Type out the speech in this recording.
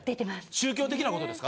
宗教的なことですか？